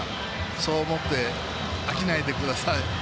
そう思って飽きないでください。